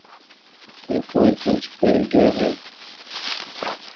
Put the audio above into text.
یا کوئی کجھ پئے گیا وے۔